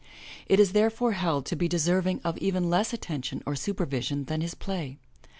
It is therefore held to be deserving of even less attention or supervision than his play.